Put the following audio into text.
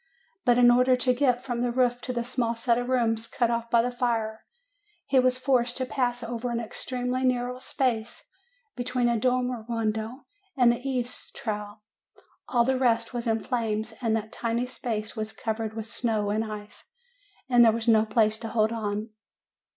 But in order to get from the roof to the small set of rooms cut off by the fire, he was forced to pass over an extremely narrow space between a dormer window and the eaves trough. All the rest was in flames, and that tiny space was covered with snow and ice, and there was no place to hold on.